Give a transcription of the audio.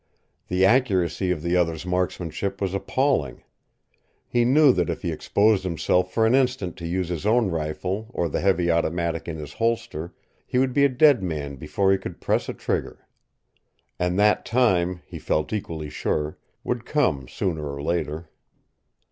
The accuracy of the other's marksmanship was appalling. He knew that if he exposed himself for an instant to use his own rifle or the heavy automatic in his holster, he would be a dead man before he could press a trigger. And that time, he felt equally sure, would come sooner or later.